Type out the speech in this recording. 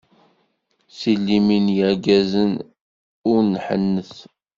S limin n yirgazen ur nḥennet!